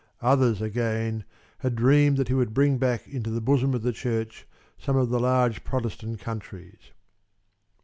Others, again, had dreamed that he would bring back into the bosom of the Church some of the large Protestant countries.